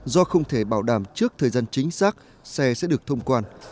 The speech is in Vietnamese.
do không thể bảo đảm trước thời gian chính xác xe sẽ được thông quan